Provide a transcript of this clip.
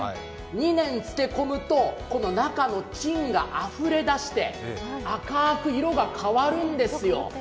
２年漬け込むと、中の菌があふれ出して赤く変わるんですよ。